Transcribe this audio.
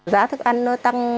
giá thức ăn nó tăng